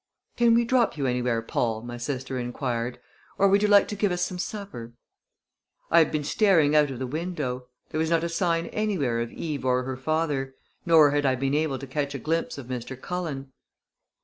"Can we drop you anywhere, Paul?" my sister inquired. "Or would you like to give us some supper?" I had been staring out of the window. There was not a sign anywhere of Eve or her father; nor had I been able to catch a glimpse of Mr. Cullen.